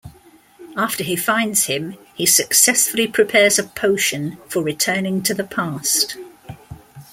After he finds him, he successfully prepares a potion for returning to the past.